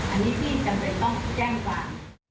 อันนี้ที่จำเป็นต้องแจ้งความ